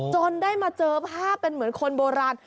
จนได้มาเจอภาพเป็นเหมือนคนโบราณ